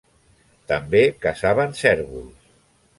També caçaven cérvols.